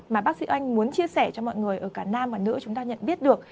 mà bác sĩ anh muốn chia sẻ cho mọi người ở cả nam và nữ chúng ta nhận biết được